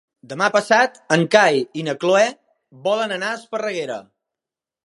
Demà passat en Cai i na Cloè volen anar a Esparreguera.